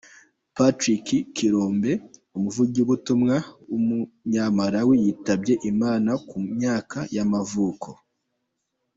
Patrick Kililombe, umuvugabutumwa w’umunyamalawi yitabye Imana, ku myaka y’amavuko.